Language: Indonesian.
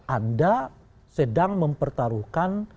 anda sedang mempertaruhkan